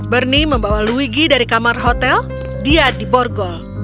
bernie membawa luigi dari kamar hotel dia di borgo